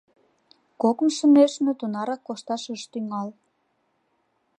Кокымшо нӧшмӧ тунарак кошташ ыш тӱҥал.